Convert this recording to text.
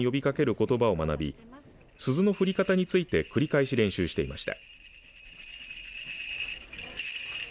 ことばを学び鈴の振り方について繰り返し練習していました。